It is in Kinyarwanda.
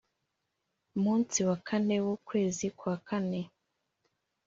Munsi wa kane w ukwezi kwa kane